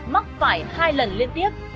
mắc phải hai lần liên tiếp